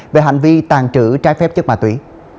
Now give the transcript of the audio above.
về hành vi tàn trữ trái phép chất ma túy